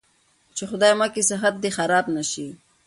چې خدايه مکې صحت دې خراب نه شي.